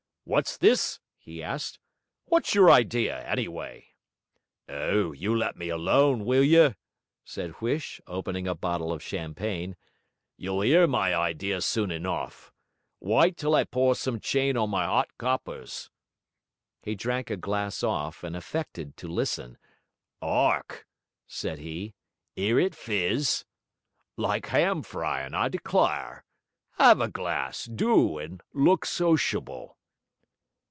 'What's this?' he asked. 'What's your idea, anyway?' 'Oh, you let me alone, will you?' said Huish, opening a bottle of champagne. 'You'll 'ear my idea soon enough. Wyte till I pour some chain on my 'ot coppers.' He drank a glass off, and affected to listen. ''Ark!' said he, ''ear it fizz. Like 'am fryin', I declyre. 'Ave a glass, do, and look sociable.'